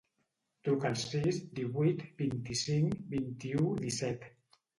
Truca al sis, divuit, vint-i-cinc, vuitanta-u, disset.